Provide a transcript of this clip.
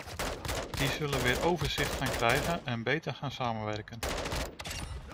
Die zullen meer overzicht gaan krijgen en beter gaan samenwerken.